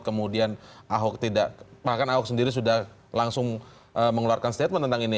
kemudian ahok tidak bahkan ahok sendiri sudah langsung mengeluarkan statement tentang ini